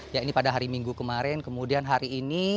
ya ini pada hari minggu kemarin kemudian hari ini